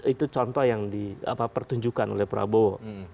itu contoh yang dipertunjukkan oleh prabowo